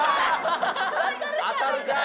当たるか！